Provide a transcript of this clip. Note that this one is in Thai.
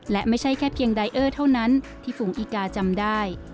และไม่ใช่แค่เพียงไดเออร์เท่านั้นที่ฝูงอีกาจำได้